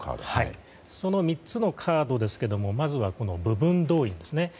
その３つのカードですがまずは部分動員ですね。